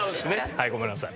はいごめんなさい。